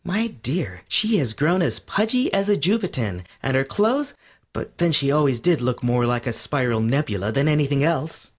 My dear, she has grown as pudgy as a Jupitan, and her clothes but then she always did look more like a spiral nebula than anything else.